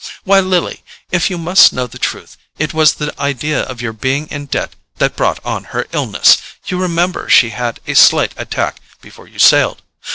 Why, Lily, if you must know the truth, it was the idea of your being in debt that brought on her illness—you remember she had a slight attack before you sailed.